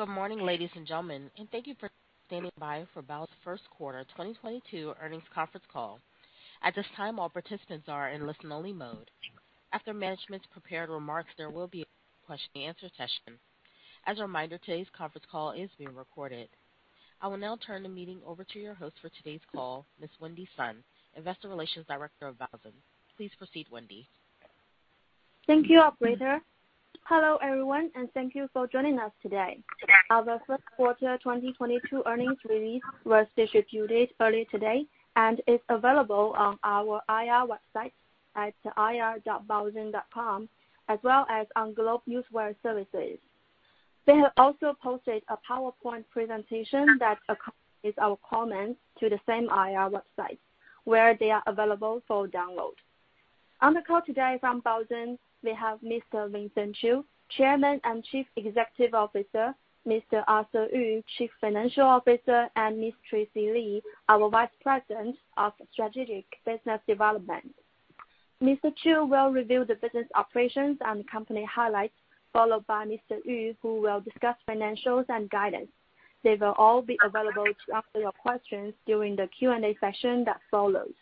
Good morning, ladies and gentlemen, and thank you for standing by for Baozun's first quarter 2022 earnings conference call. At this time, all participants are in listen-only mode. After management's prepared remarks, there will be a question-and-answer session. As a reminder, today's conference call is being recorded. I will now turn the meeting over to your host for today's call, Ms. Wendy Sun, Investor Relations Director of Baozun. Please proceed, Wendy. Thank you, operator. Hello, everyone, and thank you for joining us today. Our first quarter 2022 earnings release was distributed early today and is available on our IR website at ir.baozun.com, as well as on GlobeNewswire. They have also posted a PowerPoint presentation that accompanies our comments to the same IR website, where they are available for download. On the call today from Baozun, we have Mr. Vincent Qiu, Chairman and Chief Executive Officer, Mr. Arthur Yu, Chief Financial Officer, and Ms. Tracy Li, our Vice President of Strategic Business Development. Mr. Qiu will review the business operations and company highlights, followed by Mr. Yu, who will discuss financials and guidance. They will all be available to answer your questions during the Q&A session that follows.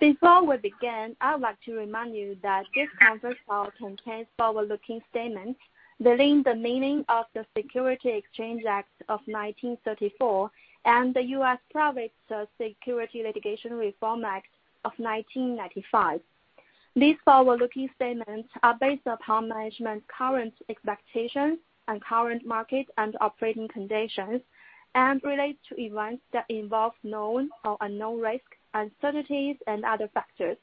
Before we begin, I would like to remind you that this conference call contains forward-looking statements within the meaning of the Securities Exchange Act of 1934 and the U.S. Private Securities Litigation Reform Act of 1995. These forward-looking statements are based upon management's current expectations and current market and operating conditions, and relates to events that involve known or unknown risk, uncertainties, and other factors,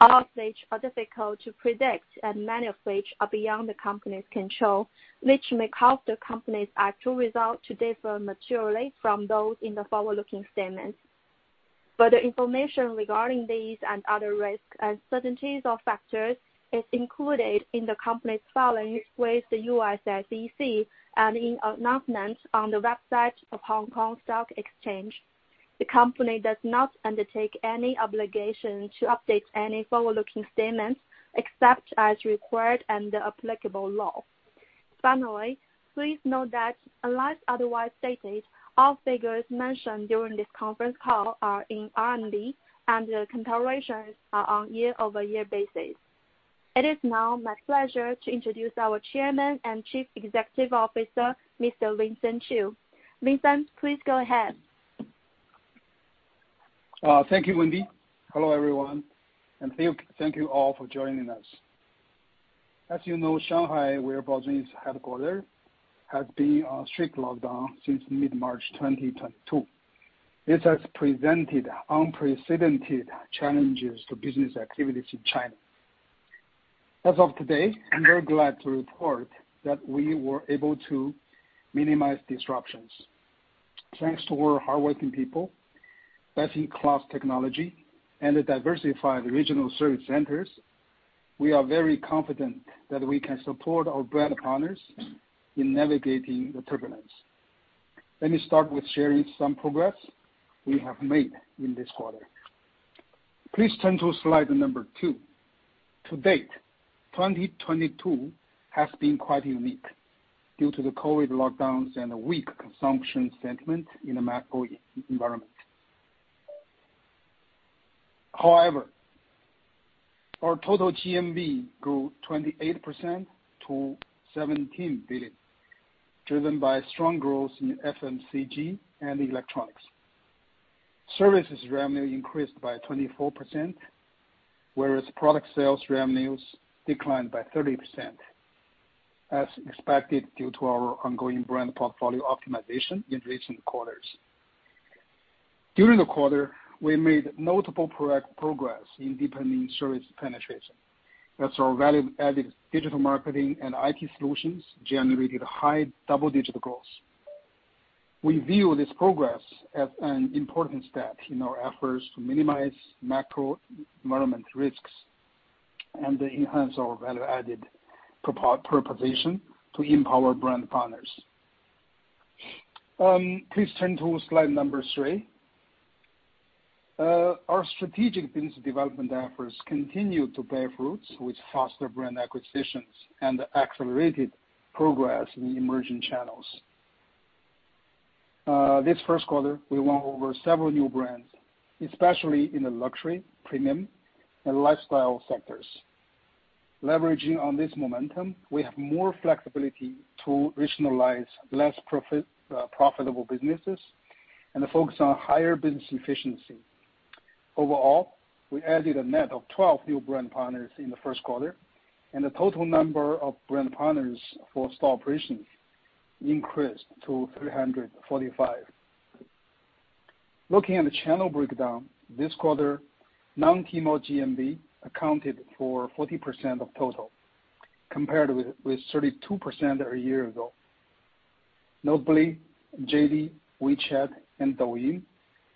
all of which are difficult to predict, and many of which are beyond the company's control, which may cause the company's actual results to differ materially from those in the forward-looking statements. Further information regarding these and other risks, uncertainties or factors is included in the company's filings with the U.S. SEC and in announcements on the website of Hong Kong Stock Exchange. The company does not undertake any obligation to update any forward-looking statements except as required under applicable law. Finally, please note that unless otherwise stated, all figures mentioned during this conference call are in RMB, and the comparisons are on year-over-year basis. It is now my pleasure to introduce our Chairman and Chief Executive Officer, Mr. Vincent Qiu. Vincent, please go ahead. Thank you, Wendy. Hello, everyone, and thank you all for joining us. As you know, Shanghai, where Baozun is headquartered, has been on strict lockdown since mid-March 2022. This has presented unprecedented challenges to business activities in China. As of today, I'm very glad to report that we were able to minimize disruptions. Thanks to our hardworking people, best-in-class technology, and the diversified Regional Service Centers, we are very confident that we can support our brand partners in navigating the turbulence. Let me start with sharing some progress we have made in this quarter. Please turn to slide number 2. To date, 2022 has been quite unique due to the COVID lockdowns and the weak consumption sentiment in the macro environment. However, our total GMV grew 28% to 17 billion, driven by strong growth in FMCG and electronics. Services revenue increased by 24%, whereas product sales revenues declined by 30%, as expected, due to our ongoing brand portfolio optimization in recent quarters. During the quarter, we made notable progress in deepening service penetration, as our value-added digital marketing and IT solutions generated high double-digit growth. We view this progress as an important step in our efforts to minimize macro environment risks and enhance our value-added proposition to empower brand partners. Please turn to slide number 3. Our strategic business development efforts continued to bear fruits with faster brand acquisitions and accelerated progress in emerging channels. This first quarter, we won over several new brands, especially in the luxury, premium, and lifestyle sectors. Leveraging on this momentum, we have more flexibility to rationalize less profitable businesses and to focus on higher business efficiency. Overall, we added a net of 12 new brand partners in the first quarter, and the total number of brand partners for store operations increased to 345. Looking at the channel breakdown, this quarter, non-Tmall GMV accounted for 40% of total, compared with 32% a year ago. Notably, JD, WeChat, and Douyin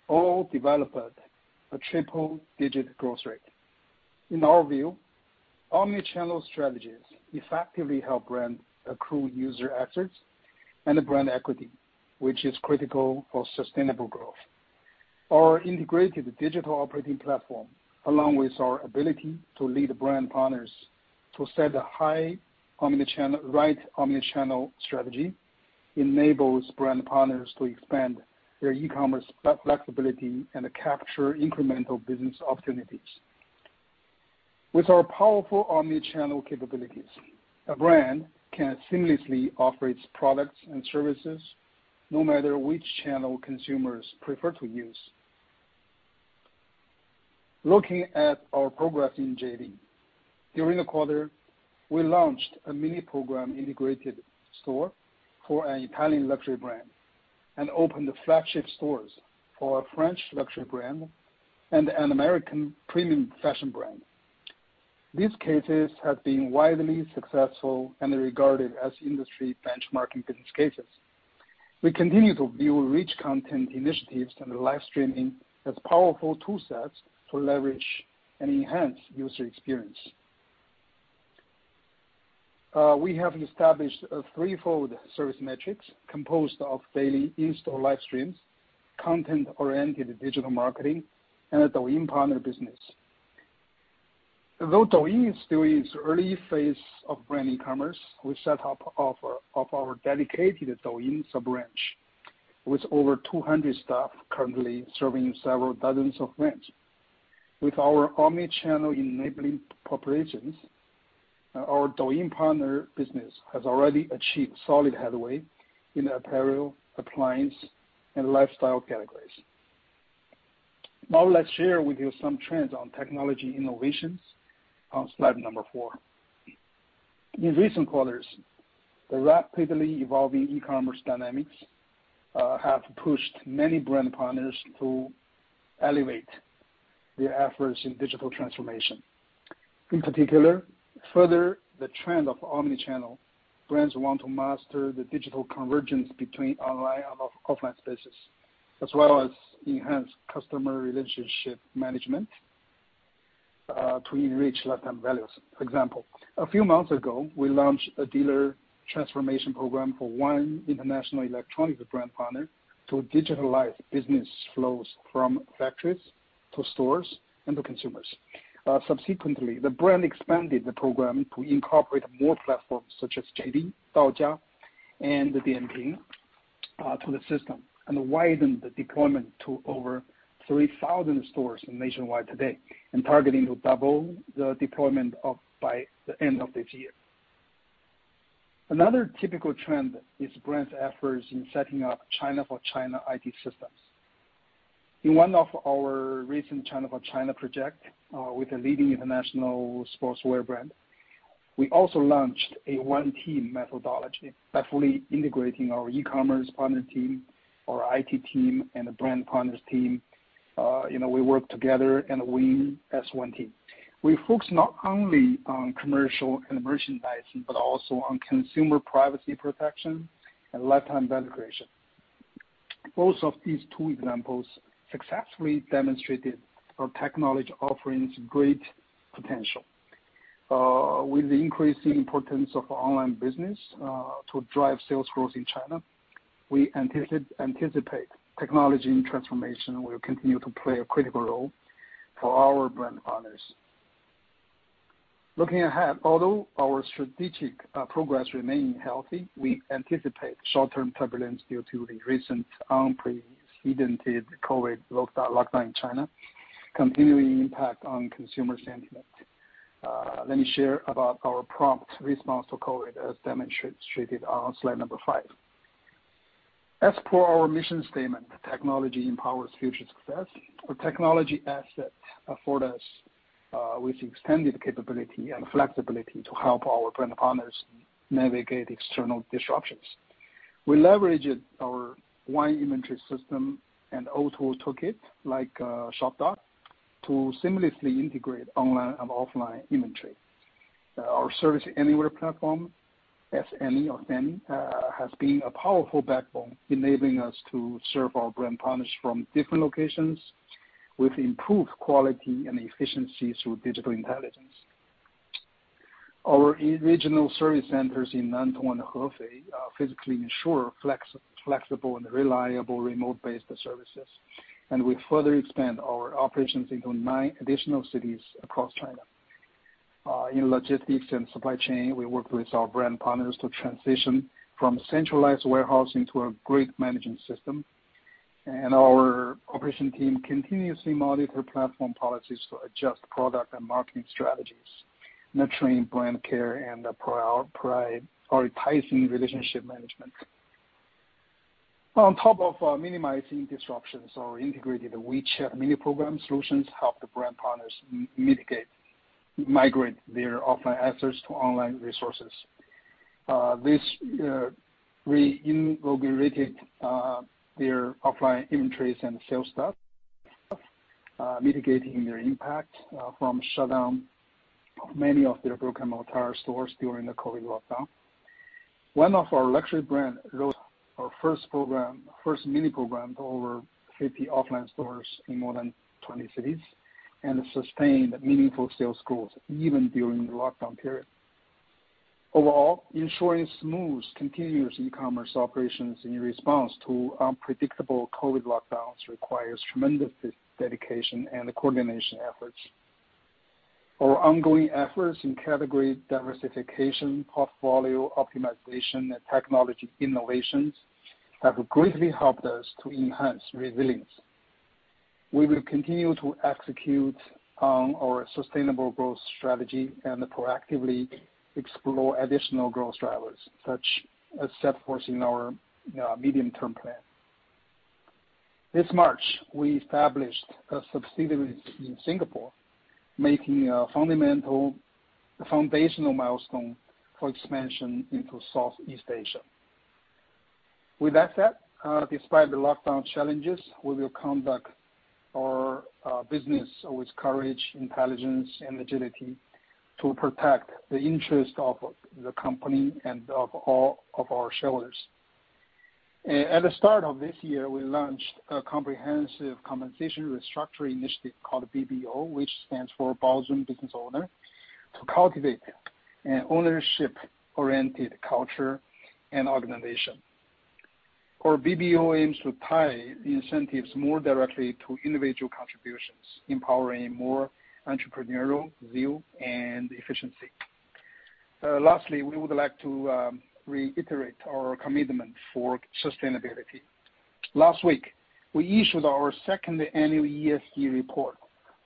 all developed a triple-digit growth rate. In our view, omni-channel strategies effectively help brands accrue user assets and brand equity, which is critical for sustainable growth. Our integrated digital operating platform, along with our ability to lead brand partners to set a high omnichannel strategy, enables brand partners to expand their e-commerce flexibility and capture incremental business opportunities. With our powerful omnichannel capabilities, a brand can seamlessly offer its products and services no matter which channel consumers prefer to use. Looking at our progress in JD. During the quarter, we launched a mini program integrated store for an Italian luxury brand, and opened the flagship stores for a French luxury brand and an American premium fashion brand. These cases have been widely successful and are regarded as industry benchmarking business cases. We continue to view rich content initiatives and live streaming as powerful tool sets to leverage and enhance user experience. We have established a threefold service metrics composed of daily in-store live streams, content-oriented digital marketing, and a Douyin partner business. Although Douyin is still in its early phase of brand e-commerce, we set up our dedicated Douyin sub-branch, with over 200 staff currently serving several dozens of brands. With our omni-channel enabling operations, our Douyin partner business has already achieved solid headway in the apparel, appliance, and lifestyle categories. Now let's share with you some trends on technology innovations on slide number 4. In recent quarters, the rapidly evolving e-commerce dynamics have pushed many brand partners to elevate their efforts in digital transformation. In particular, further, the trend of omni-channel brands want to master the digital convergence between online and offline spaces, as well as enhance customer relationship management to enrich lifetime values. For example, a few months ago, we launched a dealer transformation program for one international electronics brand partner to digitalize business flows from factories to stores and to consumers. Subsequently, the brand expanded the program to incorporate more platforms such as JD, Daojia, and Dianping to the system and widened the deployment to over 3,000 stores nationwide today and targeting to double the deployment of by the end of this year. Another typical trend is brands' efforts in setting up China-for-China IT systems. In one of our recent China-for-China project, with a leading international sportswear brand, we also launched a one team methodology by fully integrating our e-commerce partner team, our IT team, and the brand partners team. You know, we work together and win as one team. We focus not only on commercial and merchandising, but also on consumer privacy protection and lifetime value creation. Both of these two examples successfully demonstrated our technology offerings' great potential. With the increasing importance of online business to drive sales growth in China, we anticipate technology and transformation will continue to play a critical role for our brand partners. Looking ahead, although our strategic progress remain healthy, we anticipate short-term turbulence due to the recent unprecedented COVID lockdown in China, continuing impact on consumer sentiment. Let me share about our prompt response to COVID as demonstrated on slide number 5. As per our mission statement, technology empowers future success. Our technology assets afford us with extended capability and flexibility to help our brand partners navigate external disruptions. We leveraged our one inventory system and OTO toolkit, like Shopdog, to seamlessly integrate online and offline inventory. Our Service Anywhere platform, SANI, has been a powerful backbone enabling us to serve our brand partners from different locations with improved quality and efficiency through digital intelligence. Our Regional Service Centers in Nantong and Hefei physically ensure flexible and reliable remote-based services, and we further expand our operations into nine additional cities across China. In logistics and supply chain, we work with our brand partners to transition from centralized warehousing to a grid management system. Our operations team continuously monitors platform policies to adjust product and marketing strategies, nurturing brand care and prioritizing relationship management. On top of minimizing disruptions, our integrated WeChat Mini Program solutions help the brand partners migrate their offline assets to online resources. This reinvigorated their offline inventories and sales staff, mitigating their impact from shutdown of many of their brick-and-mortar stores during the COVID lockdown. One of our luxury brand wrote our first Mini Program to over 50 offline stores in more than 20 cities and sustained meaningful sales growth even during the lockdown period. Overall, ensuring smooth, continuous e-commerce operations in response to unpredictable COVID lockdowns requires tremendous dedication and coordination efforts. Our ongoing efforts in category diversification, portfolio optimization, and technology innovations have greatly helped us to enhance resilience. We will continue to execute our sustainable growth strategy and proactively explore additional growth drivers, such as set forth in our medium-term plan. This March, we established a subsidiary in Singapore, making a fundamental foundational milestone for expansion into Southeast Asia. With that said, despite the lockdown challenges, we will conduct our business with courage, intelligence, and agility to protect the interest of the company and of all of our shareholders. At the start of this year, we launched a comprehensive compensation restructuring initiative called BBO, which stands for Baozun Business Owner, to cultivate an ownership-oriented culture and organization. Our BBO aims to tie the incentives more directly to individual contributions, empowering more entrepreneurial view and efficiency. Lastly, we would like to reiterate our commitment for sustainability. Last week, we issued our second annual ESG report,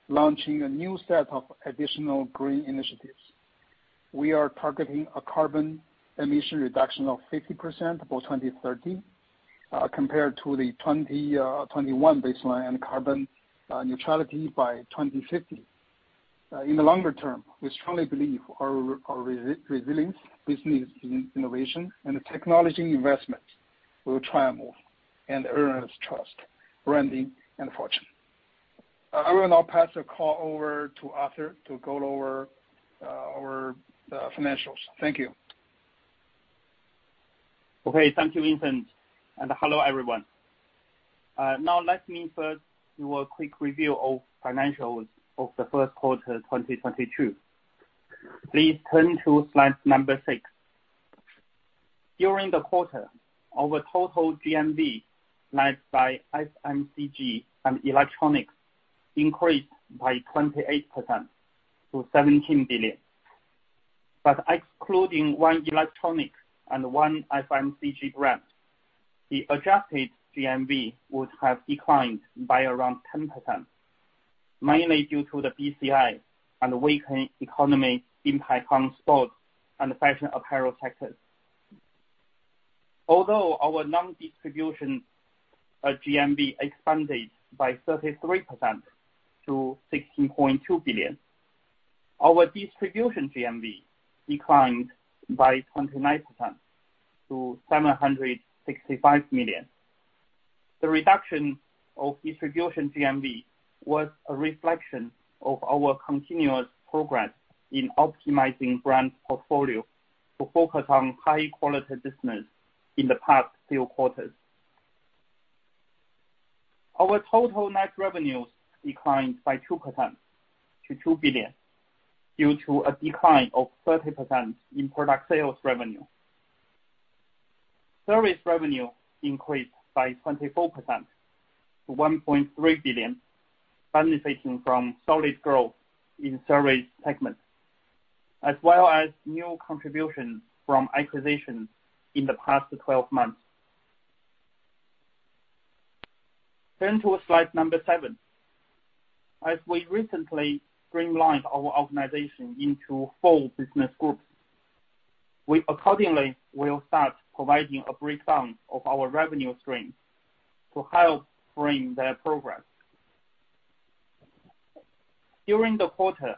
launching a new set of additional green initiatives. We are targeting a carbon emission reduction of 50% by 2030, compared to the 2021 baseline carbon neutrality by 2050. In the longer term, we strongly believe our resilience, business innovation, and the technology investments will triumph and earn us trust, branding, and fortune. I will now pass the call over to Arthur to go over our financials. Thank you. Okay. Thank you, Vincent, and hello, everyone. Now let me first do a quick review of financials of the first quarter, 2022. Please turn to slide number 6. During the quarter, our total GMV led by FMCG and electronics increased by 28% to 17 billion. Excluding one electronic and one FMCG brand, the adjusted GMV would have declined by around 10%, mainly due to the BCI and weakening economy impact on sports and fashion apparel sectors. Although our non-distribution GMV expanded by 33% to 16.2 billion, our distribution GMV declined by 29% to 765 million. The reduction of distribution GMV was a reflection of our continuous progress in optimizing brand portfolio to focus on high quality business in the past few quarters. Our total net revenues declined by 2% to 2 billion due to a decline of 30% in product sales revenue. Service revenue increased by 24% to 1.3 billion, benefiting from solid growth in service segments, as well as new contributions from acquisitions in the past 12 months. Turn to slide 7. As we recently streamlined our organization into four business groups, we accordingly will start providing a breakdown of our revenue streams to help frame their progress. During the quarter,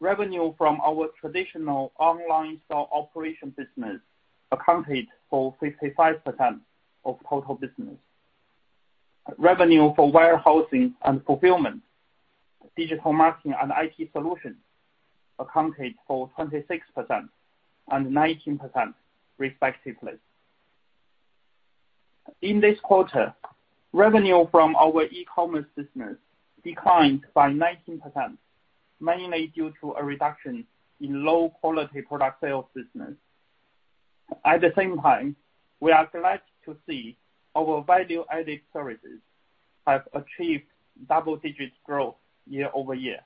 revenue from our traditional online store operation business accounted for 55% of total business. Revenue for warehousing and fulfillment, digital marketing and IT solutions accounted for 26% and 19%, respectively. In this quarter, revenue from our e-commerce business declined by 19%, mainly due to a reduction in low quality product sales business. At the same time, we are glad to see our value-added services have achieved double-digit growth year over year.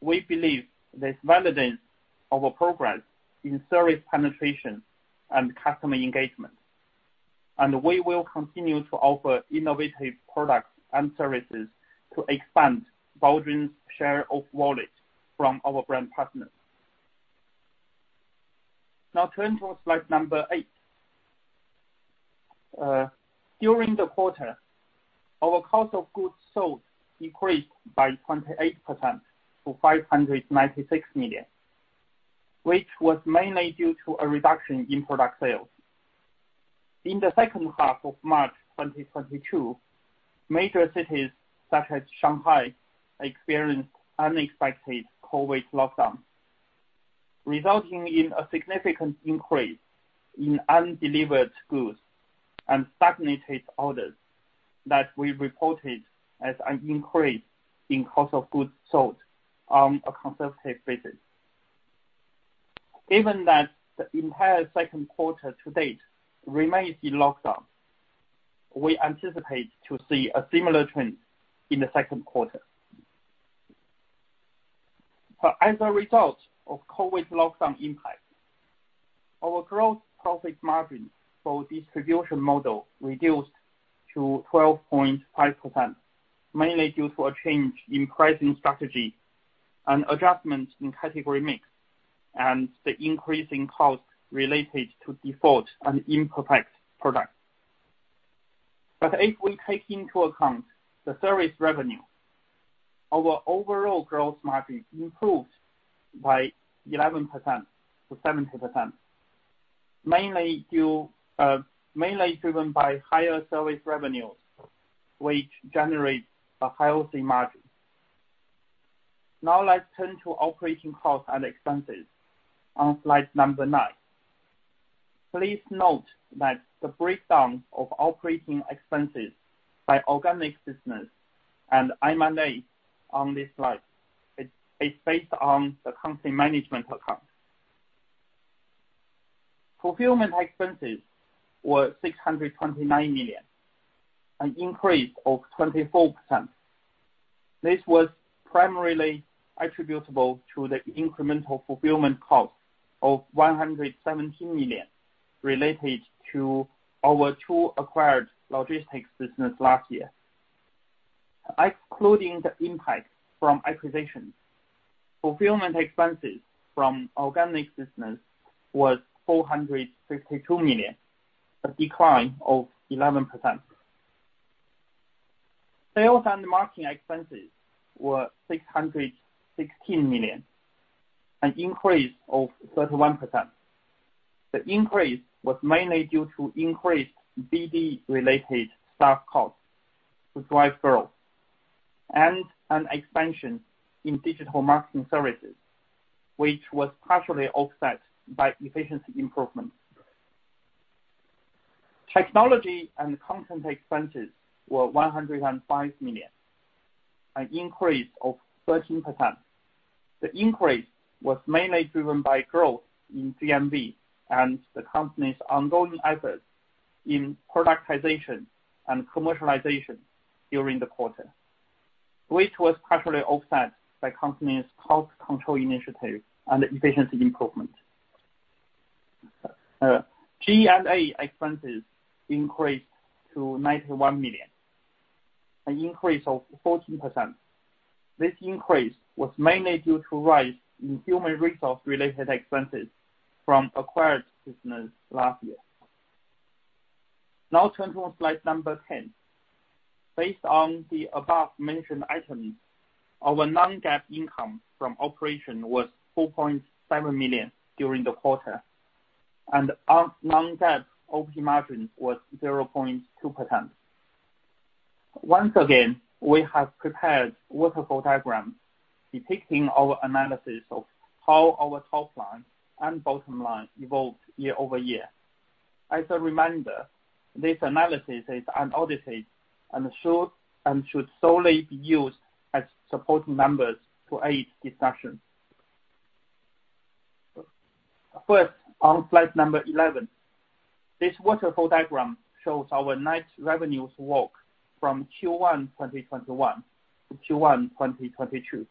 We believe this validates our progress in service penetration and customer engagement, and we will continue to offer innovative products and services to expand Baozun's share of wallet from our brand partners. Now turn to slide 8. During the quarter, our cost of goods sold increased by 28% to 596 million, which was mainly due to a reduction in product sales. In the second half of March 2022, major cities such as Shanghai experienced unexpected COVID lockdowns, resulting in a significant increase in undelivered goods and stagnated orders. That we reported as an increase in cost of goods sold on a conservative basis. Given that the entire second quarter to date remains in lockdown, we anticipate to see a similar trend in the second quarter. As a result of COVID lockdown impact, our gross profit margin for distribution model reduced to 12.5%, mainly due to a change in pricing strategy and adjustments in category mix, and the increase in cost related to defective and imperfect products. If we take into account the service revenue, our overall gross margin improved by 11% to 70%, mainly due, mainly driven by higher service revenues, which generate a higher gross margin. Now let's turn to operating costs and expenses on slide 9. Please note that the breakdown of operating expenses by organic business and M&A on this slide is based on the company management account. Fulfillment expenses were 629 million, an increase of 24%. This was primarily attributable to the incremental fulfillment cost of 117 million related to our two acquired logistics business last year. Excluding the impact from acquisitions, fulfillment expenses from organic business was 462 million, a decline of 11%. Sales and marketing expenses were 616 million, an increase of 31%. The increase was mainly due to increased BD related staff costs to drive growth and an expansion in digital marketing services, which was partially offset by efficiency improvements. Technology and content expenses were 105 million, an increase of 13%. The increase was mainly driven by growth in GMV and the company's ongoing efforts in productization and commercialization during the quarter, which was partially offset by company's cost control initiatives and efficiency improvement. G&A expenses increased to 91 million, an increase of 14%. This increase was mainly due to rise in human resource-related expenses from acquired business last year. Now turn to slide 10. Based on the above-mentioned items, our Non-GAAP income from operation was 4.7 million during the quarter, and our Non-GAAP OP margin was 0.2%. Once again, we have prepared waterfall diagram depicting our analysis of how our top line and bottom line evolved year-over-year. As a reminder, this analysis is unaudited and should solely be used as supporting numbers to aid discussions. First, on slide 11. This waterfall diagram shows our net revenues walk from Q1 2021 to Q1 2022.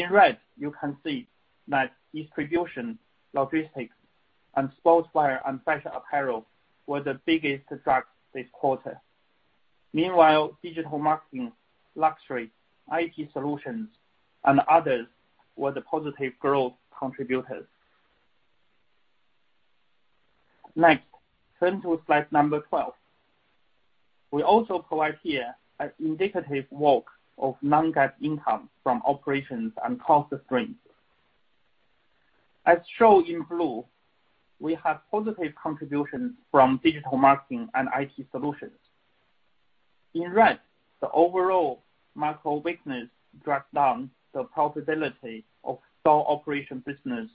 In red, you can see that distribution, logistics, and sportswear and fashion apparel were the biggest drag this quarter. Meanwhile, digital marketing, luxury, IT solutions, and others were the positive growth contributors. Next, turn to slide number 12. We also provide here an indicative walk of Non-GAAP income from operations and cost streams. As shown in blue, we have positive contributions from digital marketing and IT solutions. In red, the overall macro business dragged down the profitability of store operation business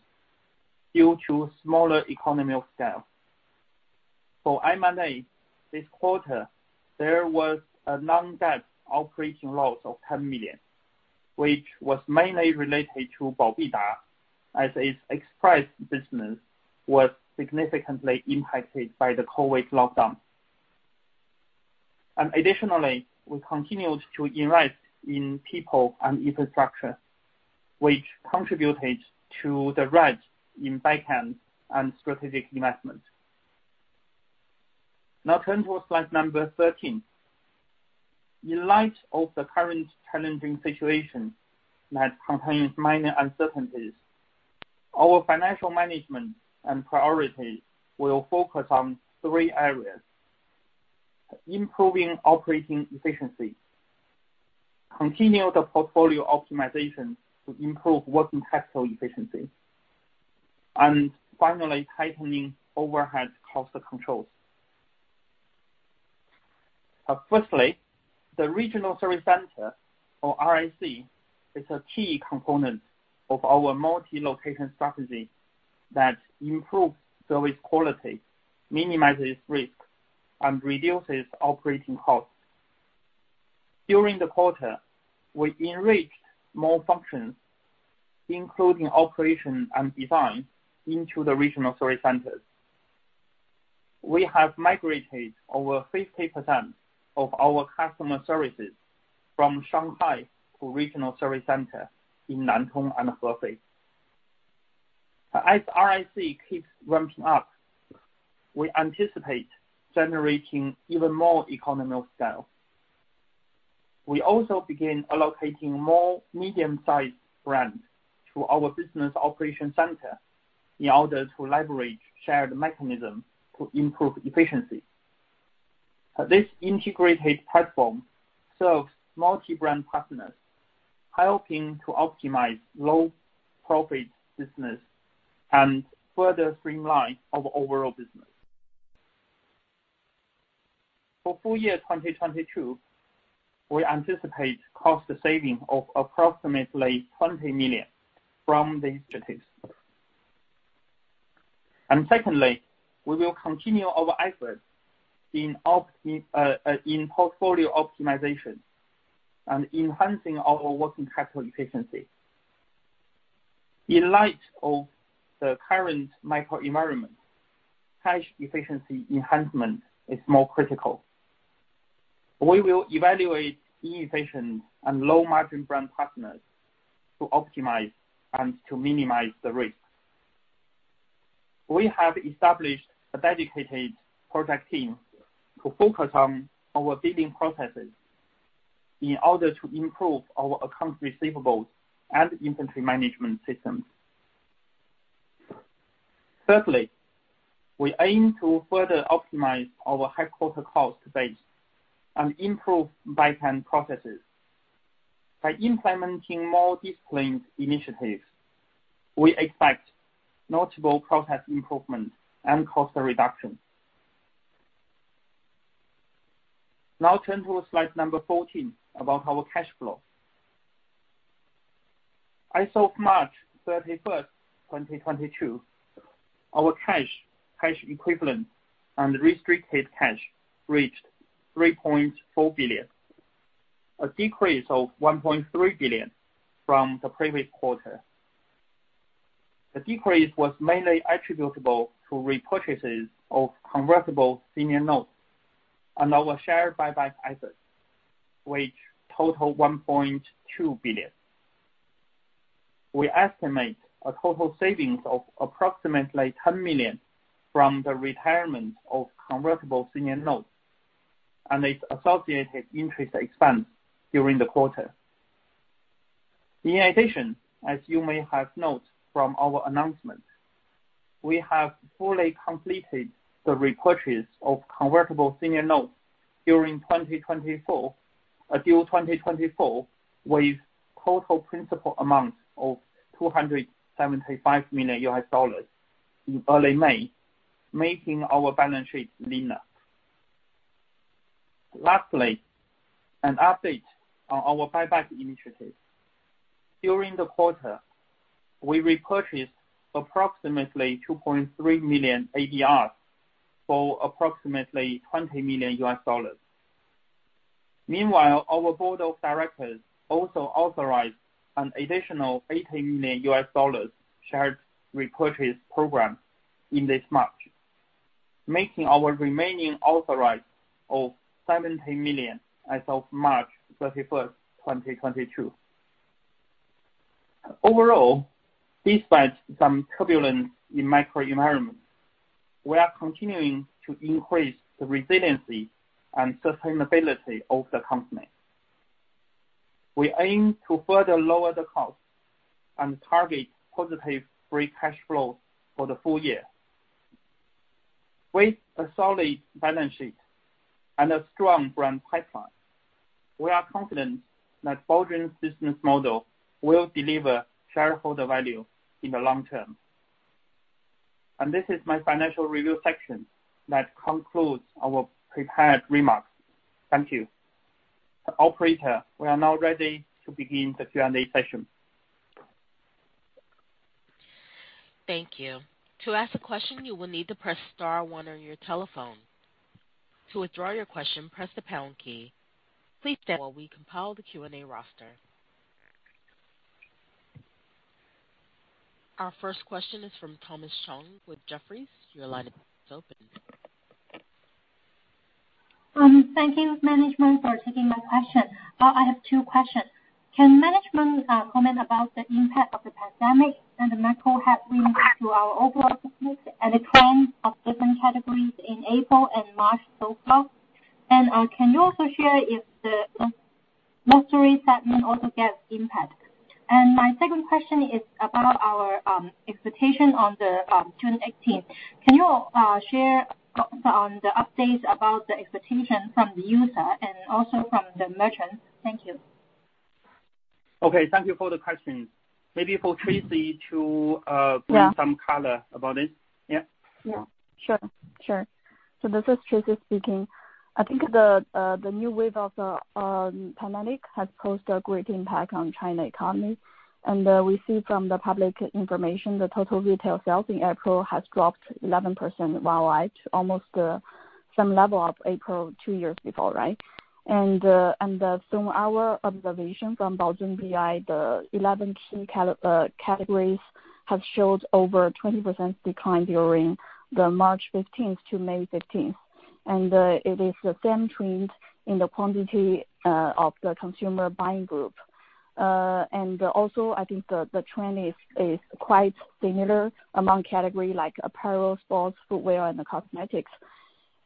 due to smaller economies of scale. For M&A this quarter, there was a Non-GAAP operating loss of 10 million, which was mainly related to Baotong as its express business was significantly impacted by the COVID lockdown. Additionally, we continued to invest in people and infrastructure, which contributed to the rise in back-end and strategic investments. Now turn to slide number 13. In light of the current challenging situation that contains minor uncertainties, our financial management and priority will focus on three areas. Improving operating efficiency. Continue the portfolio optimization to improve working capital efficiency. Finally, tightening overhead cost controls. The Regional Service Center, or RSC, is a key component of our multi-location strategy that improves service quality, minimizes risk, and reduces operating costs. During the quarter, we enriched more functions, including operation and design into the Regional Service Centers. We have migrated over 50% of our customer services from Shanghai to Regional Service Center in Nantong and Hefei. As RSC keeps ramping up, we anticipate generating even more economies of scale. We also begin allocating more medium-sized brands to our business operation center in order to leverage shared mechanisms to improve efficiency. This integrated platform serves multi-brand partners, helping to optimize low profit business and further streamline our overall business. For full year 2022, we anticipate cost saving of approximately 20 million from these initiatives. Secondly, we will continue our efforts in portfolio optimization and enhancing our working capital efficiency. In light of the current macroenvironment, cash efficiency enhancement is more critical. We will evaluate inefficient and low margin brand partners to optimize and to minimize the risk. We have established a dedicated project team to focus on our billing processes in order to improve our accounts receivable and inventory management systems. Thirdly, we aim to further optimize our headquarters cost base and improve backend processes. By implementing more disciplined initiatives, we expect notable process improvement and cost reduction. Now turn to slide number 14 about our cash flow. As of March 31, 2022, our cash equivalents, and restricted cash reached 3.4 billion, a decrease of 1.3 billion from the previous quarter. The decrease was mainly attributable to repurchases of Convertible Senior Notes and our share buyback efforts, which total 1.2 billion. We estimate a total savings of approximately $10 million from the retirement of Convertible Senior Notes and its associated interest expense during the quarter. In addition, as you may have noted from our announcement, we have fully completed the repurchase of Convertible Senior Notes until 2024, with total principal amount of $275 million in early May, making our balance sheet leaner. Lastly, an update on our buyback initiative. During the quarter, we repurchased approximately 2.3 million ADRs for approximately $20 million. Meanwhile, our board of directors also authorized an additional $80 million share repurchase program in this March, making our remaining authorized of $70 million as of March 31, 2022. Overall, despite some turbulence in the macro environment, we are continuing to increase the resiliency and sustainability of the company. We aim to further lower the costs and target positive free cash flow for the full year. With a solid balance sheet and a strong brand pipeline, we are confident that Baozun's business model will deliver shareholder value in the long term. This is my financial review section. That concludes our prepared remarks. Thank you. Operator, we are now ready to begin the Q&A session. Thank you. To ask a question, you will need to press star one on your telephone. To withdraw your question, press the pound key. Please stand by while we compile the Q&A roster. Our first question is from Thomas Chong with Jefferies. Your line is open. Thank you management for taking my question. I have two questions. Can management comment about the impact of the pandemic and the macro headwinds to our overall business and the trends of different categories in April and March so far? Can you also share if the luxury segment also gets impact? My second question is about our expectation on the June eighteenth. Can you share thoughts on the updates about the expectation from the user and also from the merchants? Thank you. Okay, thank you for the question. Maybe for Tracy to Yeah. Bring some color about it. Yeah. Yeah. Sure. This is Tracy speaking. I think the new wave of the pandemic has caused a great impact on China economy. We see from the public information the total retail sales in April has dropped 11% YY to almost same level of April two years before, right? From our observation from Baozun BI, the 11 key categories have showed over 20% decline during the March fifteenth to May fifteenth. It is the same trend in the quantity of the consumer buying group. I think the trend is quite similar among category like apparel, sports footwear, and the cosmetics.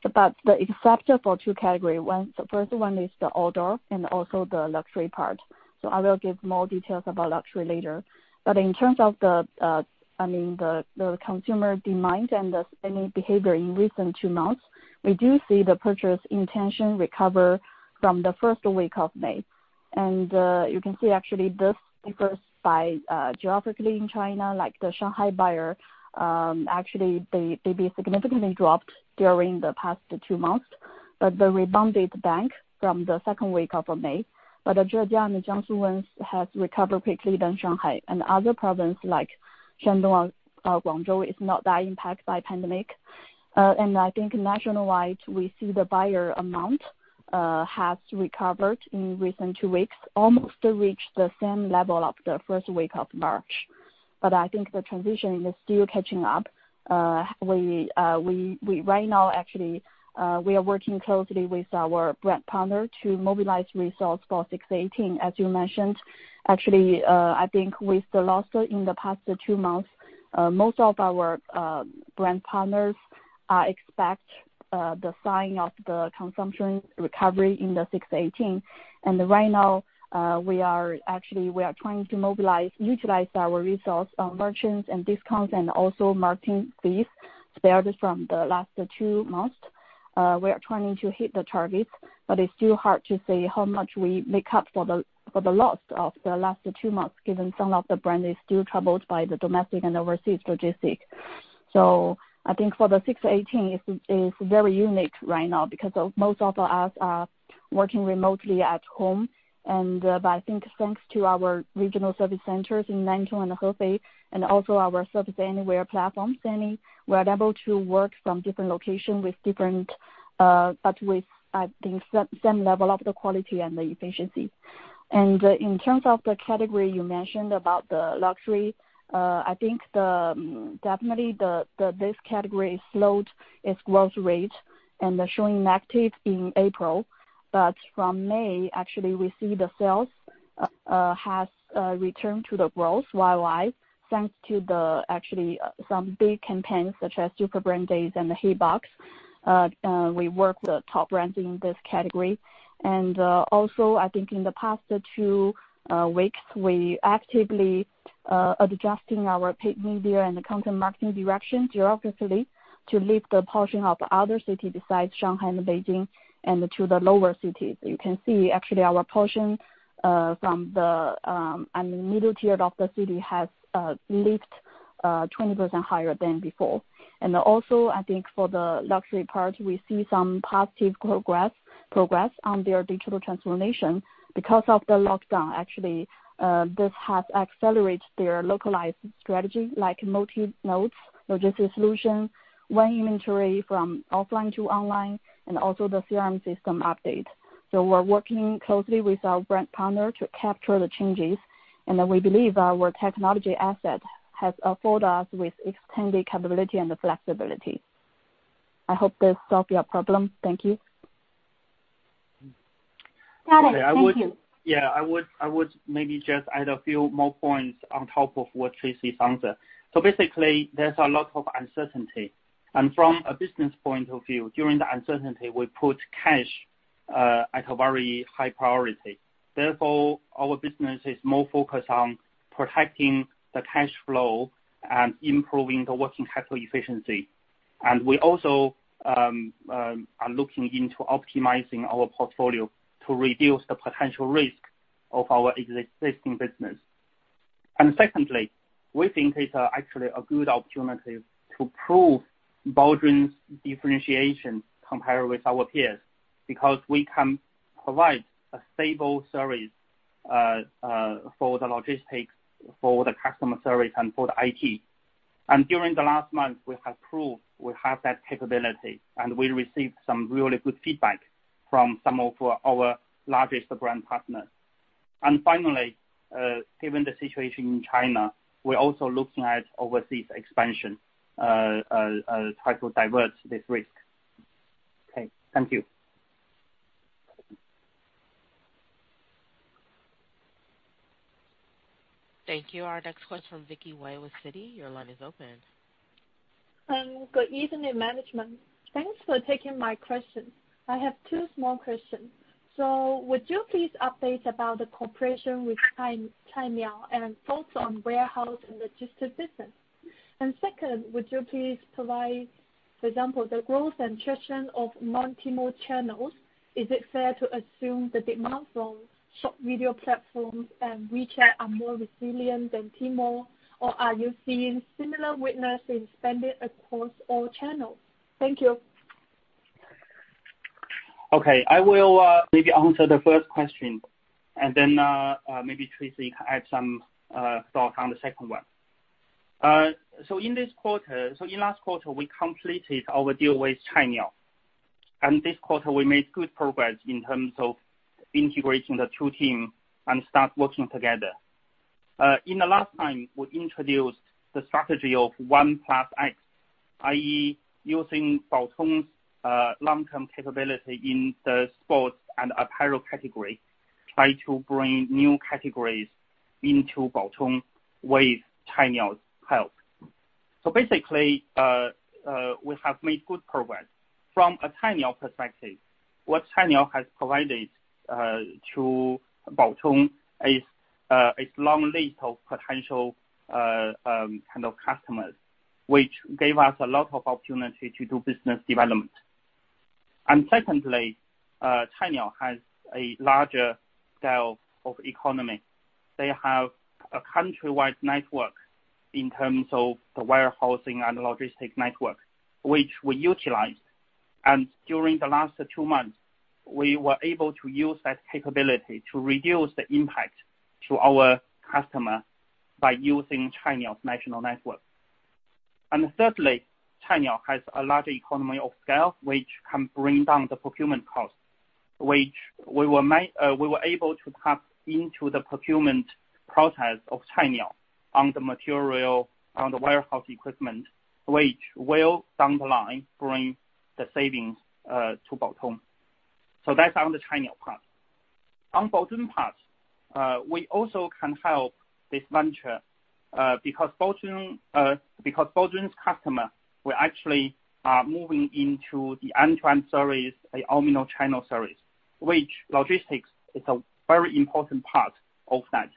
The exception for two category, one the first one is the outdoor and also the luxury part. I will give more details about luxury later. In terms of, I mean, the consumer demand and the spending behavior in recent two months, we do see the purchase intention recover from the first week of May. You can see actually this differs by geography in China, like the Shanghai buyer actually they've been significantly dropped during the past two months, but they rebounded back from the second week of May. The Zhejiang and Jiangsu ones have recovered quicker than Shanghai. Other provinces like Shandong or Guangdong are not that impacted by the pandemic. I think nationwide, we see the buyer amount has recovered in recent two weeks, almost to reach the same level of the first week of March. I think the transition is still catching up. We right now actually are working closely with our brand partner to mobilize resource for 618, as you mentioned. Actually, I think with the loss in the past two months, most of our brand partners expect the sign of the consumption recovery in the 618. Right now, we actually are trying to mobilize, utilize our resource on merchants and discounts and also marketing fees spared from the last two months. We are trying to hit the targets, but it's still hard to say how much we make up for the loss of the last two months, given some of the brand is still troubled by the domestic and overseas logistics. I think for the 618 it's very unique right now because most of us are working remotely at home. I think thanks to our Regional Service Centers in Nantong and Hefei, and also our Service Anywhere platform, SANI, we're able to work from different location but with the same level of the quality and the efficiency. In terms of the category you mentioned about the luxury, I think definitely this category slowed its growth rate and showing negative in April. From May, actually we see the sales has returned to the growth YY, thanks to actually some big campaigns such as Super Brand Day and the Hey Box. We work with top brands in this category. Also I think in the past two weeks, we actively adjusting our paid media and the content marketing direction geographically to lift the proportion of other cities besides Shanghai and Beijing and to the lower-tier cities. You can see actually our proportion from the, I mean, middle-tier cities has lifted 20% higher than before. Also I think for the luxury part, we see some positive progress on their digital transformation because of the lockdown. Actually this has accelerated their localized strategy, like multi-node logistics solution, one-inventory from offline to online, and also the CRM system update. We're working closely with our brand partner to capture the changes. We believe our technology asset has afforded us with extended capability and flexibility. I hope this solves your problem. Thank you. Got it. Thank you. Yeah, I would maybe just add a few more points on top of what Tracy answered. Basically, there's a lot of uncertainty. From a business point of view, during the uncertainty, we put cash at a very high priority. Therefore, our business is more focused on protecting the cash flow and improving the working capital efficiency. We also are looking into optimizing our portfolio to reduce the potential risk of our existing business. Secondly, we think it's actually a good opportunity to prove Baozun's differentiation compared with our peers, because we can provide a stable service for the logistics, for the customer service and for the IT. During the last month, we have proved we have that capability, and we received some really good feedback from some of our largest brand partners. Finally, given the situation in China, we're also looking at overseas expansion, try to divert this risk. Okay. Thank you. Thank you. Our next question from Vicky Wei with Citi. Your line is open. Good evening, management. Thanks for taking my question. I have two small questions. Would you please update about the cooperation with Cainiao and focus on warehouse and logistics business? Second, would you please provide- For example, the growth and traction of multi-mode channels. Is it fair to assume the demand from short video platforms and WeChat are more resilient than Tmall? Or are you seeing similar weakness in spending across all channels? Thank you. Okay. I will maybe answer the first question and then maybe Tracy can add some thought on the second one. In last quarter, we completed our deal with Cainiao. This quarter, we made good progress in terms of integrating the two team and start working together. In the last time, we introduced the strategy of 1+X, i.e., using Baozun's long-term capability in the sports and apparel category, try to bring new categories into Baozun with Cainiao's help. Basically, we have made good progress. From a Cainiao perspective, what Cainiao has provided to Baozun is its long list of potential kind of customers, which gave us a lot of opportunity to do business development. Secondly, Cainiao has a larger scale of economy. They have a countrywide network in terms of the warehousing and logistics network, which we utilized. During the last two months, we were able to use that capability to reduce the impact to our customer by using Cainiao's national network. Thirdly, Cainiao has a large economy of scale, which can bring down the procurement cost, which we were able to tap into the procurement process of Cainiao on the material, on the warehouse equipment, which will down the line bring the savings to Baozun. That's on the Cainiao part. On Baozun part, we also can help this venture because Baozun's customer will actually are moving into the end-to-end service, a omnichannel service, which logistics is a very important part of that.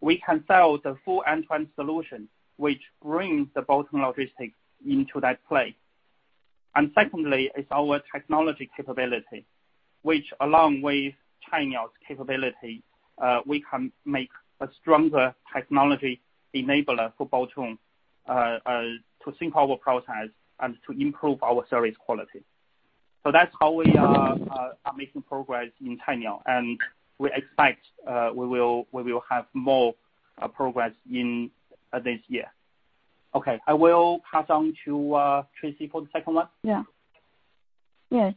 We can sell the full end-to-end solution, which brings the Baozun logistics into that play. Secondly is our technology capability, which along with Cainiao's capability, we can make a stronger technology enabler for Baozun, to sync our process and to improve our service quality. That's how we are making progress in Cainiao, and we expect we will have more progress in this year. Okay. I will pass on to Tracy for the second one. Yeah. Yes.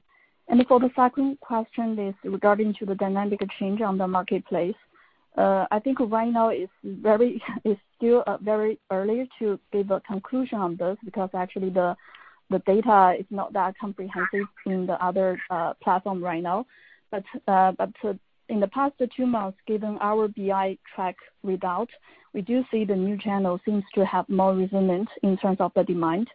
For the second question is regarding to the dynamic change on the marketplace. I think right now it's still very early to give a conclusion on this, because actually the data is not that comprehensive in the other platform right now. In the past two months, given our BI track readout, we do see the new channel seems to have more resonance in terms of the demand.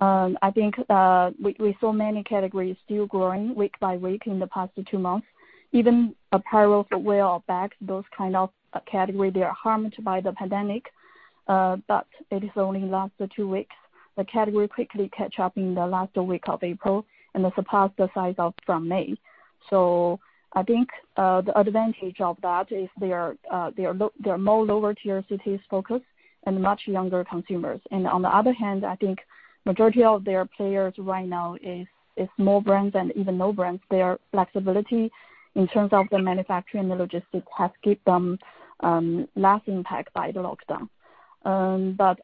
I think we saw many categories still growing week by week in the past two months. Even apparel, footwear or bags, those kind of category, they are harmed by the pandemic, but it is only last two weeks. The category quickly catch up in the last week of April and has surpassed the sales of from May. I think the advantage of that is they are more lower tier cities focused and much younger consumers. On the other hand, I think majority of their players right now is small brands and even no brands. Their flexibility in terms of the manufacturing, the logistics has kept them less impact by the lockdown.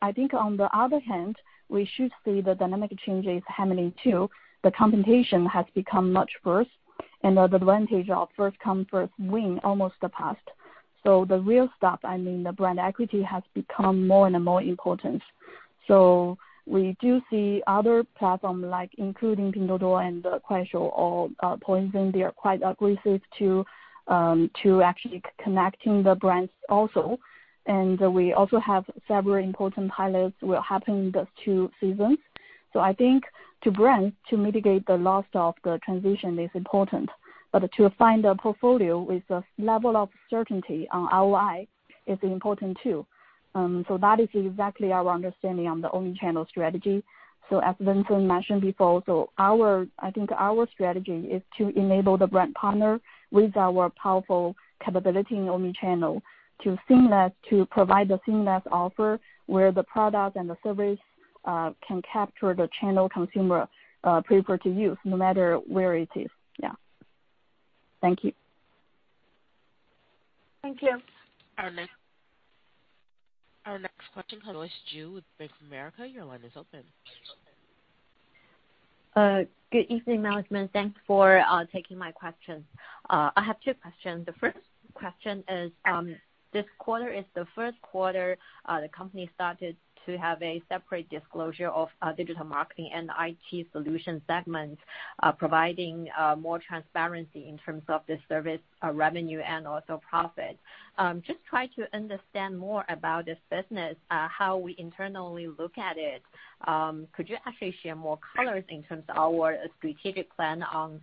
I think on the other hand, we should see the dynamic changes happening too. The competition has become much worse, and the advantage of first come first win almost the past. The real stuff, I mean, the brand equity has become more and more important. We do see other platform like including Pinduoduo and the Kuaishou or Douyin, they are quite aggressive to actually connecting the brands also. We also have several important pilots will happen in these two seasons. I think to brand, to mitigate the loss of the transition is important. To find a portfolio with a level of certainty on ROI is important too. That is exactly our understanding on the omnichannel strategy. As Vincent mentioned before, our, I think our strategy is to enable the brand partner with our powerful capability in omnichannel to provide a seamless offer where the product and the service can capture the channel consumer prefer to use no matter where it is. Yeah. Thank you. Thank you. Our next question, Joyce Ju with Bank of America, your line is open. Good evening, management. Thanks for taking my questions. I have two questions. The first question is, this quarter is the first quarter, the company started to have a separate disclosure of, digital marketing and IT solution segments, providing, more transparency in terms of the service, revenue and also profit. Just try to understand more about this business, how we internally look at it. Could you actually share more colors in terms of our strategic plan on,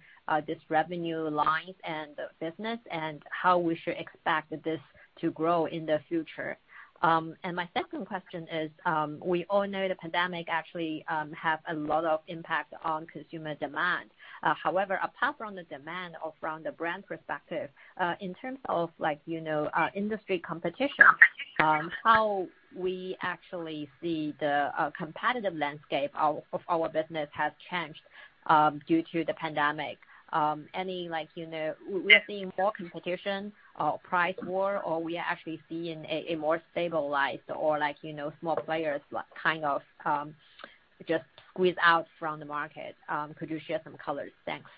this revenue lines and the business and how we should expect this to grow in the future? And my second question is, we all know the pandemic actually, have a lot of impact on consumer demand. However, apart from the demand or from the brand perspective, in terms of like, you know, industry competition, how we actually see the competitive landscape of our business has changed due to the pandemic. Any like, you know, we're seeing more competition or price war, or we are actually seeing a more stabilized or like, you know, small players like kind of just squeeze out from the market. Could you share some colors? Thanks.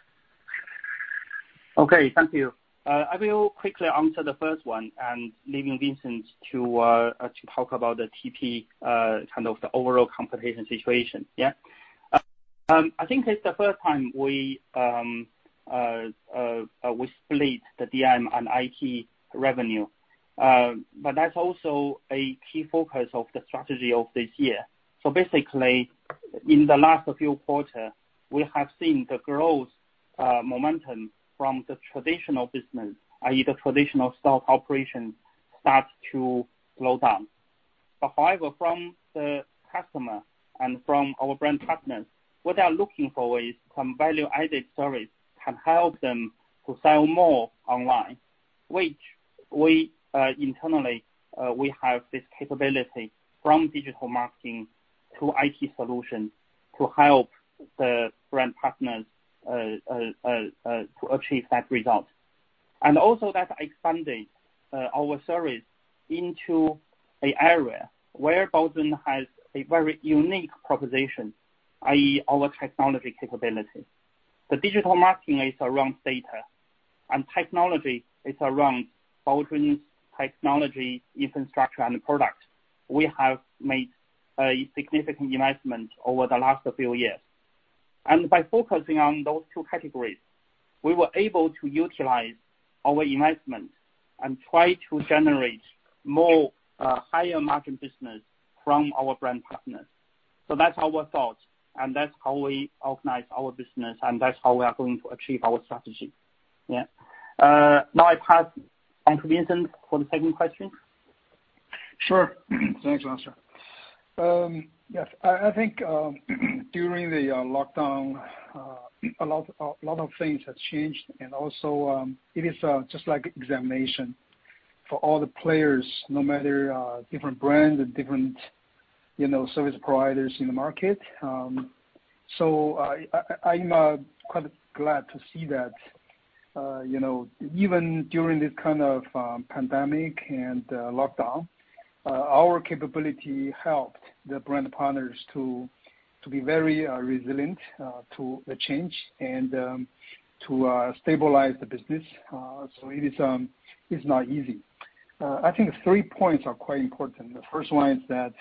Okay. Thank you. I will quickly answer the first one and leaving Vincent to talk about the TP, kind of the overall competition situation. I think it's the first time we split the DM and IT revenue. But that's also a key focus of the strategy of this year. Basically, in the last few quarters, we have seen the growth momentum from the traditional business, i.e., the traditional store operation start to slow down. However, from the customer and from our brand partners, what they are looking for is some value-added service can help them to sell more online, which we internally have this capability from digital marketing to IT solutions to help the brand partners to achieve that result. That expanded our service into an area where Baozun has a very unique proposition, i.e., our technology capability. The digital marketing is around data, and technology is around Baozun's technology, infrastructure and product. We have made a significant investment over the last few years. By focusing on those two categories, we were able to utilize our investment and try to generate more higher margin business from our brand partners. That's our thought, and that's how we organize our business, and that's how we are going to achieve our strategy. Yeah. Now I pass on to Vincent for the second question. Sure. Thanks, Arthur Yu. Yes. I think during the lockdown a lot of things have changed. Also, it is just like examination for all the players, no matter different brands and different you know, service providers in the market. I'm quite glad to see that you know, even during this kind of pandemic and lockdown, our capability helped the brand partners to be very resilient to the change and to stabilize the business. It's not easy. I think three points are quite important. The first one is that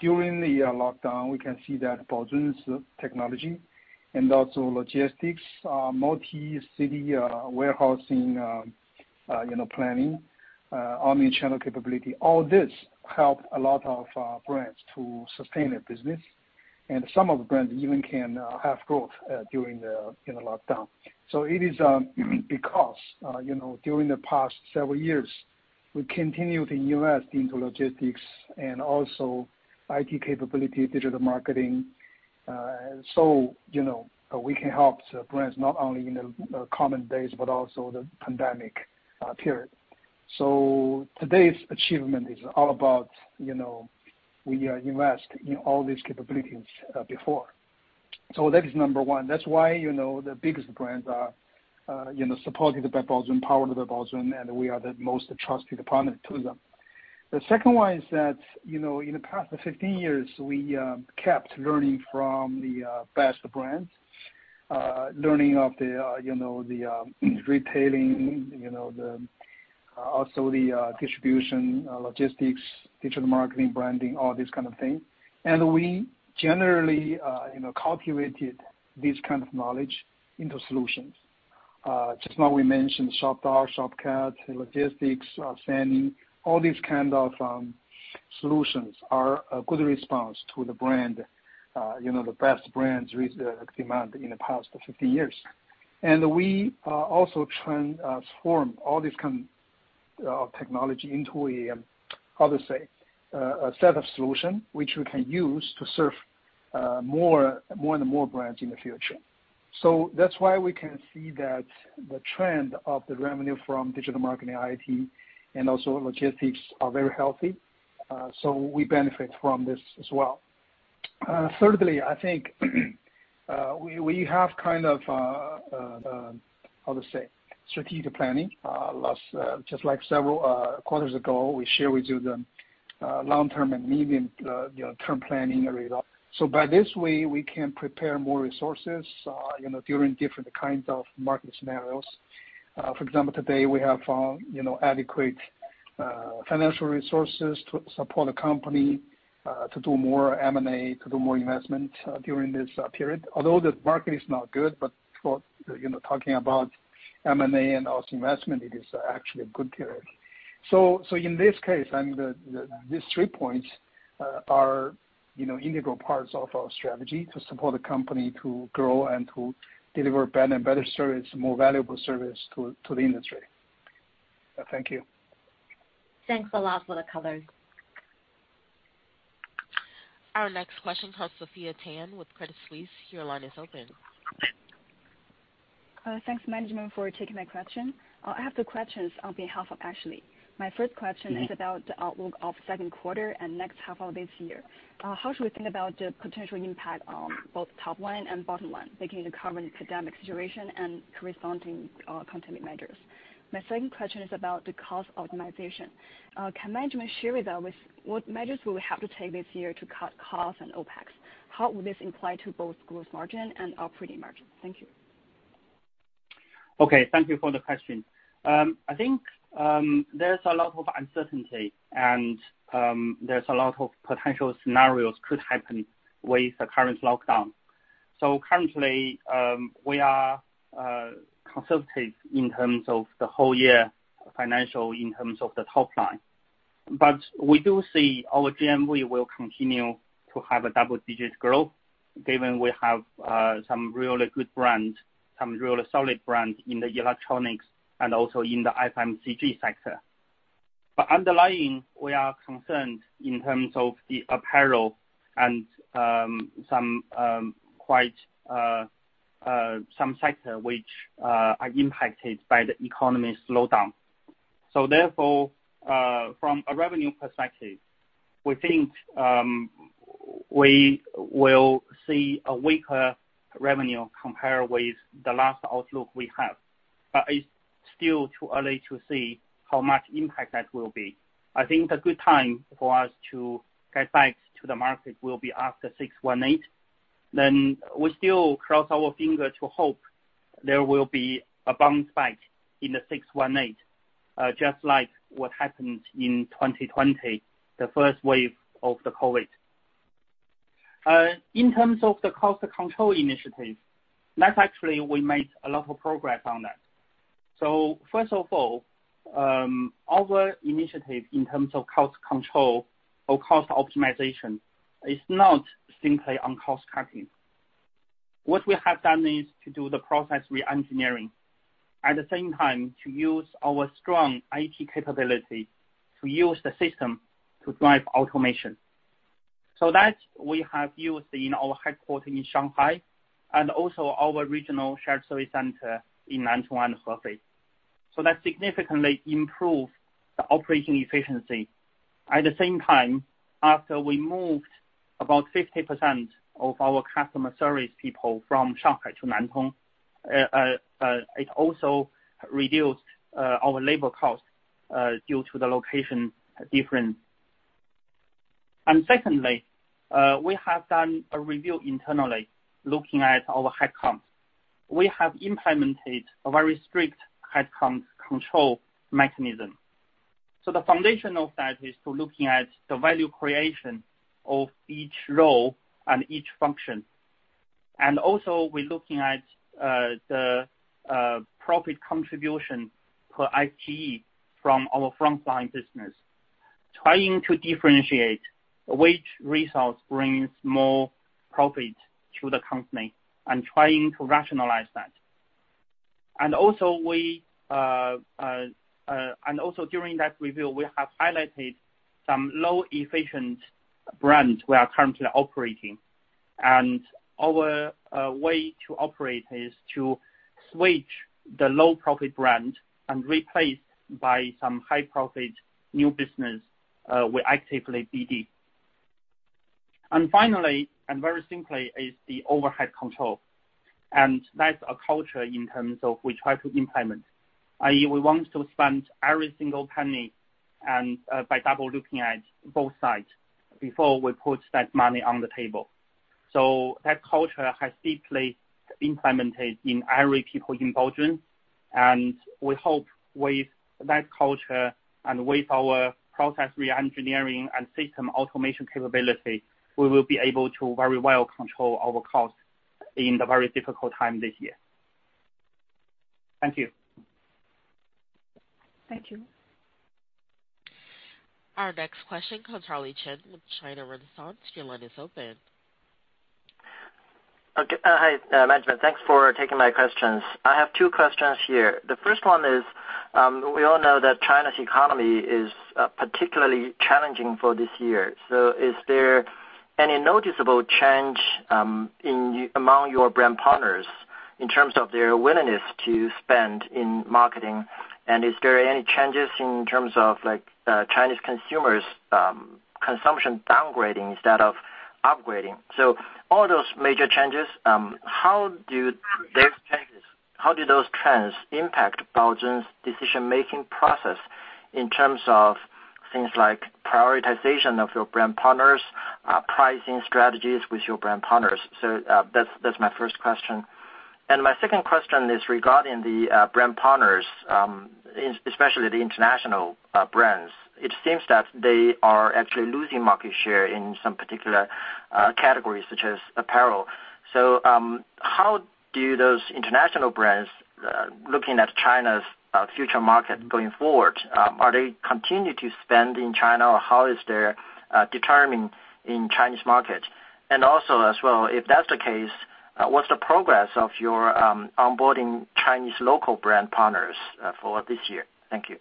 during the lockdown, we can see that Baozun's technology and also logistics multi-city warehousing you know planning omni-channel capability all this helped a lot of brands to sustain their business. Some of the brands even can have growth during the you know lockdown. It is because you know during the past several years, we continue to invest into logistics and also IT capability, digital marketing so you know we can help the brands not only in a common days, but also the pandemic period. Today's achievement is all about you know we invest in all these capabilities before. That is number one. That's why, you know, the biggest brands are, you know, supported by Baozun, powered by Baozun, and we are the most trusted partner to them. The second one is that, you know, in the past 15 years, we kept learning from the best brands. Learning the retailing, also the distribution, logistics, digital marketing, branding, all this kind of thing. We generally, you know, cultivated this kind of knowledge into solutions. Just now we mentioned Shopdog/SHOPCAT, logistics, branding, all these kind of solutions are a good response to the brand, you know, the best brands demand in the past 15 years. We also transform all this kind of technology into a set of solution which we can use to serve more and more brands in the future. That's why we can see that the trend of the revenue from digital marketing, IT, and also logistics are very healthy. We benefit from this as well. Thirdly, I think, we have kind of strategic planning last just like several quarters ago, we share with you the long-term and medium you know term planning result. By this way, we can prepare more resources, you know, during different kinds of market scenarios. For example, today we have, you know, adequate financial resources to support the company to do more M&A, to do more investment during this period. Although the market is not good, but for, you know, talking about M&A and also investment, it is actually a good period. So in this case, I mean the these three points are, you know, integral parts of our strategy to support the company to grow and to deliver better and better service, more valuable service to the industry. Thank you. Thanks a lot for the colors. Our next question comes from Sophia Tan with Credit Suisse. Your line is open. Thanks, management, for taking my question. I have two questions on behalf of Ashley. My first question This is about the outlook of second quarter and next half of this year. How should we think about the potential impact on both top line and bottom line, taking the current pandemic situation and corresponding containment measures? My second question is about the cost optimization. Can management share with us what measures will we have to take this year to cut costs and OpEx? How will this imply to both gross margin and operating margin? Thank you. Okay, thank you for the question. I think there's a lot of uncertainty and there's a lot of potential scenarios could happen with the current lockdown. Currently, we are conservative in terms of the whole year financial in terms of the top line. But we do see our GMV will continue to have a double-digit growth given we have some really good brand, some really solid brand in the electronics and also in the FMCG sector. But underlying, we are concerned in terms of the apparel and some sectors which are impacted by the economic slowdown. Therefore, from a revenue perspective, we think we will see a weaker revenue compared with the last outlook we have. But it's still too early to see how much impact that will be. I think the good time for us to get back to the market will be after 618. We still cross our fingers to hope there will be a bounce back in 618, just like what happened in 2020, the first wave of the COVID. In terms of the cost control initiative, that actually we made a lot of progress on that. First of all, our initiative in terms of cost control or cost optimization is not simply on cost-cutting. What we have done is to do the process re-engineering, at the same time to use our strong IT capability to use the system to drive automation. That we have used in our headquarters in Shanghai and also our regional shared service center in Nantong and Hefei. That significantly improved the operating efficiency. At the same time, after we moved about 50% of our customer service people from Shanghai to Nantong, it also reduced our labor cost due to the location difference. Secondly, we have done a review internally looking at our headcounts. We have implemented a very strict headcounts control mechanism. The foundation of that is to looking at the value creation of each role and each function. Also we're looking at the profit contribution per IT from our frontline business, trying to differentiate which resource brings more profit to the company and trying to rationalize that. Also during that review, we have highlighted some low efficient brand we are currently operating. Our way to operate is to switch the low profit brand and replace by some high profit new business. We're actively bidding. Finally, and very simply, is the overhead control. That's a culture in terms of we try to implement, i.e., we want to spend every single penny and, by double looking at both sides before we put that money on the table. That culture has deeply implemented in every people in Baozun, and we hope with that culture and with our process re-engineering and system automation capability, we will be able to very well control our cost in the very difficult time this year. Thank you. Thank you. Our next question comes from Charlie Chen with China Renaissance. Your line is open. Okay, hi, management. Thanks for taking my questions. I have two questions here. The first one is, we all know that China's economy is particularly challenging for this year. Is there any noticeable change among your brand partners in terms of their willingness to spend in marketing? Is there any changes in terms of like, Chinese consumers, consumption downgrading instead of upgrading? All those major changes, how do those trends impact Baozun's decision-making process in terms of things like prioritization of your brand partners, pricing strategies with your brand partners? That's my first question. My second question is regarding the brand partners, especially the international brands. It seems that they are actually losing market share in some particular categories such as apparel. How do those international brands, looking at China's future market going forward, are they continue to spend in China, or how is their determination in Chinese market? Also as well, what's the progress of your onboarding Chinese local brand partners for this year? Thank you.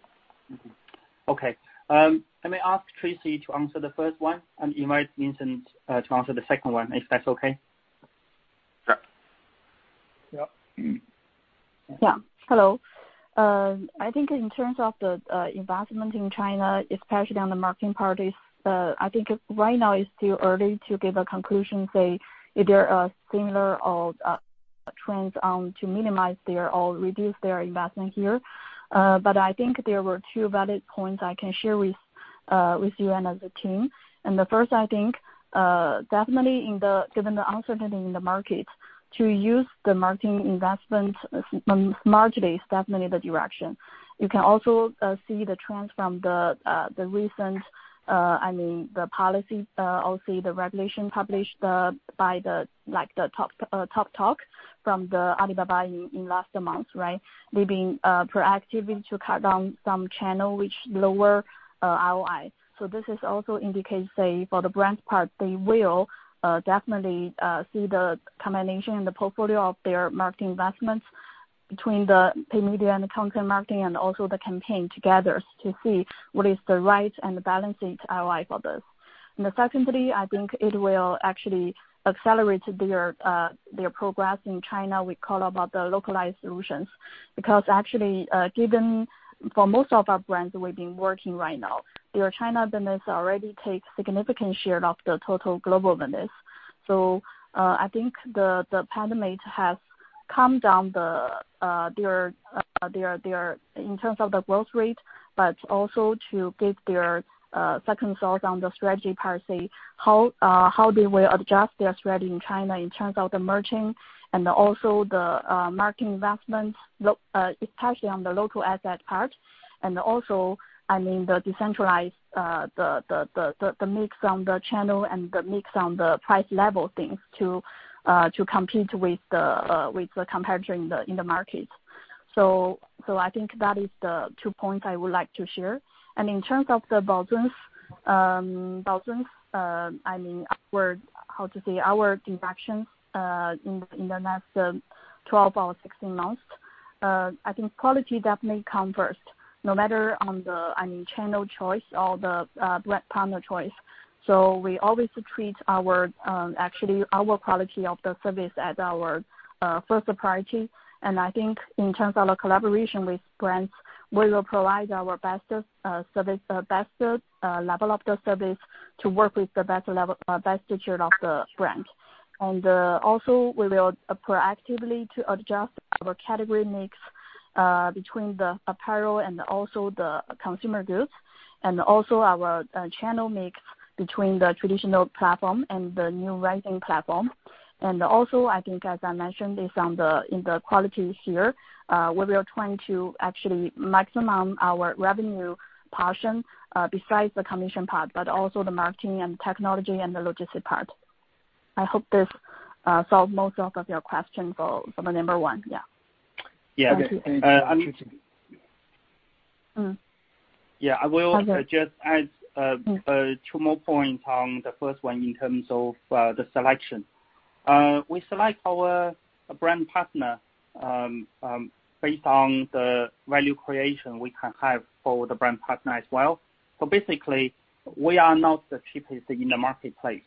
Okay. Let me ask Tracy to answer the first one and invite Vincent to answer the second one, if that's okay. Sure. Yep. Yeah. Hello. I think in terms of the investment in China, especially on the marketing parity, I think right now it's still early to give a conclusion, say if there are similar or trends to minimize their or reduce their investment here. But I think there were two valid points I can share with you and as a team. The first, I think, definitely in the given the uncertainty in the market, to use the marketing investment marginally is definitely the direction. You can also see the trends from the recent, I mean the policy or say the regulation published by the, like, the top team from Alibaba in last month, right? They've been proactive to cut down some channel which lower ROI. This also indicates, say, for the brand part, they will definitely see the combination and the portfolio of their marketing investments between the pay media and the content marketing and also the campaign together to see what is the right and the balanced ROI for this. Secondly, I think it will actually accelerate their progress in China. We talk about the localized solutions. Because actually, given for most of our brands that we've been working right now, their China business already takes significant share of the total global business. I think the pandemic has calmed down their. In terms of the growth rate, but also to give their second thoughts on the strategy per se, how they will adjust their strategy in China in terms of the merchant and also the marketing investments, especially on the local asset part. I mean, the decentralized the mix on the channel and the mix on the price level things to compete with the competitor in the market. I think that is the two points I would like to share. In terms of the balance, I mean upward, how to say, our directions in the next 12 or 16 months, I think quality definitely come first, no matter on the I mean, channel choice or the brand partner choice. We always treat our actually our quality of the service as our first priority. I think in terms of the collaboration with brands, we will provide our best service best level of the service to work with the best level best feature of the brand. Also we will proactively to adjust our category mix between the apparel and also the consumer goods, and also our channel mix between the traditional platform and the new rising platform. I think as I mentioned, based on the in the quality here, we are trying to actually maximize our revenue portion besides the commission part, but also the marketing and technology and the logistics part. I hope this solved most of your question for the number one. Yeah. Yeah. Thank you. Yeah. Arthur. -just add, uh- Mm. Two more points on the first one in terms of the selection. We select our brand partner based on the value creation we can have for the brand partner as well. Basically we are not the cheapest in the marketplace,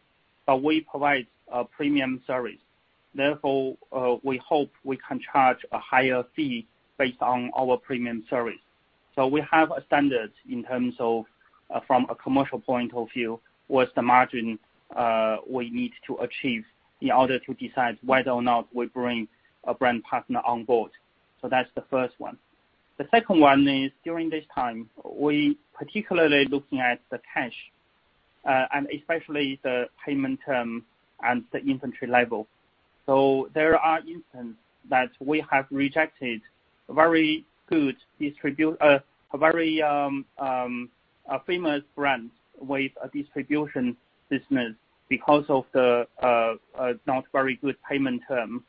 but we provide a premium service. Therefore, we hope we can charge a higher fee based on our premium service. We have a standard in terms of from a commercial point of view, what's the margin we need to achieve in order to decide whether or not we bring a brand partner on board. That's the first one. The second one is during this time, we particularly looking at the cash and especially the payment term and the inventory level. There are instances that we have rejected very good, a very famous brand with a distribution business because of the not very good payment term.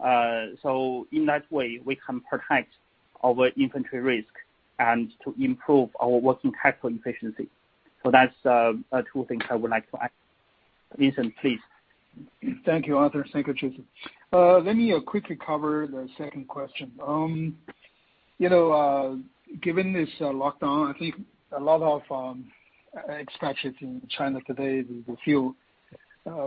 In that way, we can protect our inventory risk and to improve our working capital efficiency. That's two things I would like to add. Vincent, please. Thank you, Arthur. Thank you, Tracy. Let me quickly cover the second question. You know, given this lockdown, I think a lot of expats in China today will feel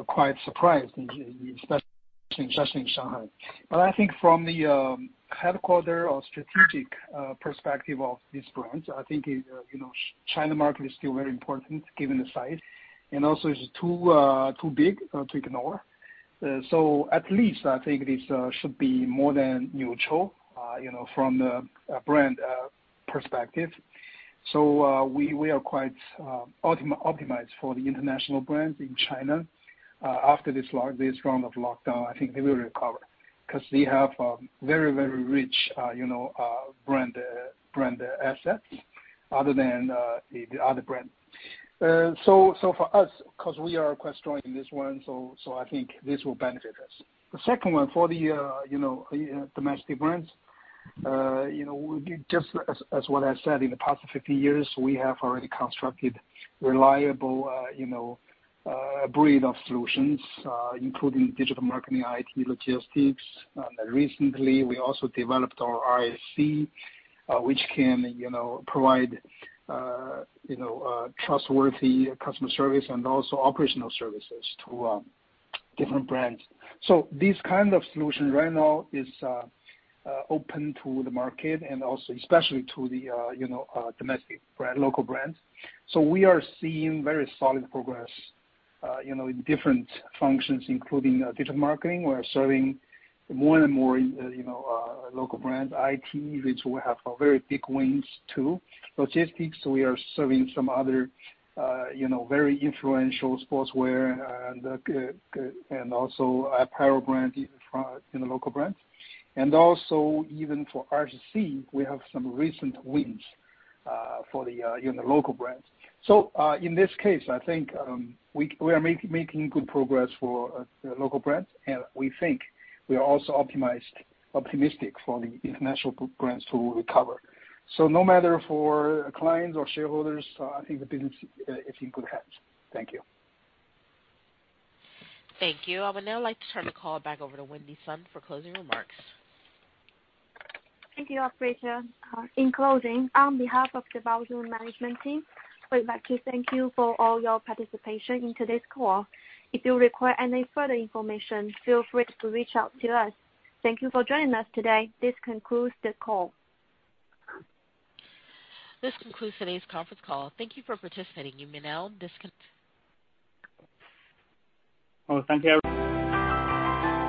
quite surprised, especially in Shanghai. I think from the headquarters or strategic perspective of these brands, I think you know, China market is still very important given the size and also too big to ignore. So at least I think this should be more than neutral, you know, from the brand perspective. We are quite optimized for the international brands in China. After this round of lockdown, I think they will recover 'cause they have a very, very rich brand assets other than the other brand. For us, 'cause we are quite strong in this one, so I think this will benefit us. The second one, for the domestic brands. You know, just as what I said in the past five years, we have already constructed reliable broad suite of solutions, including digital marketing, IT, logistics. Recently, we also developed our RSC, which can provide trustworthy customer service and also operational services to different brands. This kind of solution right now is open to the market and also especially to the domestic brand, local brands. We are seeing very solid progress in different functions, including digital marketing. We are serving more and more you know, local brands, IT, which we have a very big wins too. Logistics, we are serving some other, you know, very influential sportswear and also apparel brand in the local brands. Even for RSC, we have some recent wins, for the you know local brands. In this case, I think, we are making good progress for local brands, and we think we are also optimistic for the international brands to recover. No matter for clients or shareholders, I think the business is in good hands. Thank you. Thank you. I would now like to turn the call back over to Wendy Sun for closing remarks. Thank you, operator. In closing, on behalf of the Baozun management team, we'd like to thank you for all your participation in today's call. If you require any further information, feel free to reach out to us. Thank you for joining us today. This concludes the call. This concludes today's conference call. Thank you for participating. You may now disconnect. Well, thank you every.